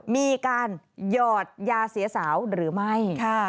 มีการหยอดยาเสียสาวหรือไม่